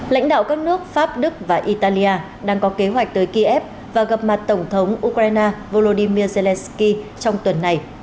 lãnh đạo các nước pháp đức và italia đang có kế hoạch tới kiev và gặp mặt tổng thống ukraine volodymyr zelensky trong tuần này